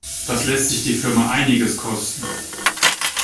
Das lässt sich die Firma einiges kosten.